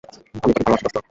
আমিও তোকে ভালোবাসি, দোস্ত।